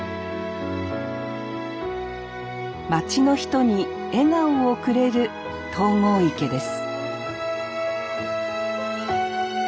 町の人に笑顔をくれる東郷池です